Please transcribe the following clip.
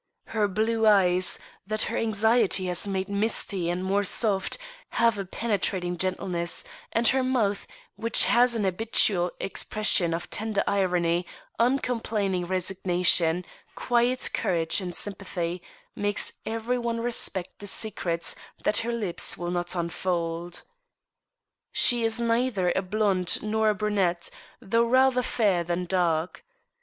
Her blue eyes, that her anidiety has made misty and more soft, have a penetrating gentleness ; and her mouth, which has an habitual expression of tender irony, uncom plaining resignation, quiet courage and sympathy, makes every one respect the secrets that her lips will not unfold. She is neither a blonde nor a brunette, though rather fair than dark.